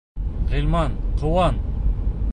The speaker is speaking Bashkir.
Ғилман, ҡыуан.